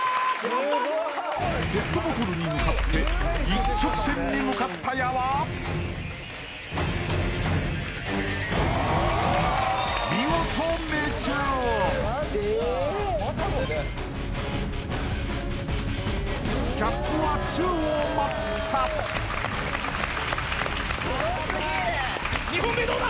ペットボトルに向かって一直線に向かった矢は見事命中キャップは宙を舞った２本目どうだ？